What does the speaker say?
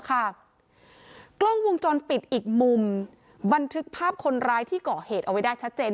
กล้องวงจรปิดอีกมุมบันทึกภาพคนร้ายที่ก่อเหตุเอาไว้ได้ชัดเจน